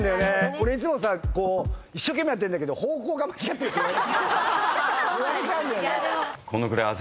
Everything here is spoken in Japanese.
俺いつもさ一生懸命やってんだけど「方向が間違ってる」って言われちゃうんだよね。